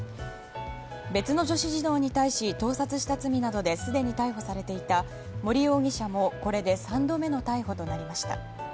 別の女子児童に対し盗撮した罪などですでに逮捕されていた森容疑者も、これで３度目の逮捕となりました。